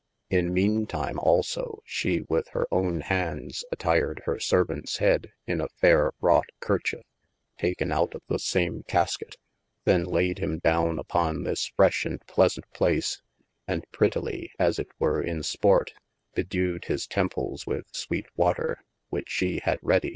In meane time also shee had with hir owne hands attyred hir servaunts head in a fayre wrought kerchife taken out of the same Casket : then layde him downe uppon this freshe and pleasaunt place, and pretelye as it were in sporte, bedewed his temples with sweete water which she had readye 426 OF MASTER F.